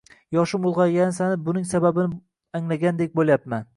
Yoshim ulg‘aygani sari buning sababini anglagandek bo‘lyapman.